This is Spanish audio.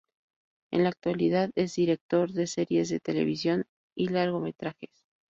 En la actualidad es director de series de televisión y largometrajes.